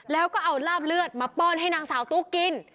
แล้วก็เอาลาบเลือดมาป้อนให้นางสาวตุ๊กกิน